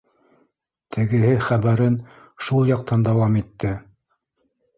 Тегеһе хәбәрен шул яҡтан дауам итте.